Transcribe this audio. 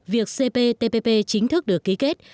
việc cptpp chính thức được ký kết